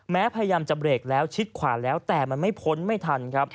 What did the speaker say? พยายามจะเบรกแล้วชิดขวาแล้วแต่มันไม่พ้นไม่ทันครับ